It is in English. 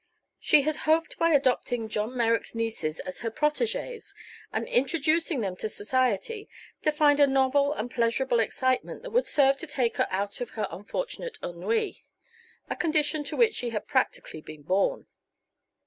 She had hoped by adopting John Merrick's nieces as her protégées and introducing them to society to find a novel and pleasurable excitement that would serve to take her out of her unfortunate ennui a condition to which she had practically been born.